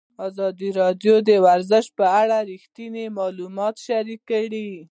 ازادي راډیو د ورزش په اړه رښتیني معلومات شریک کړي.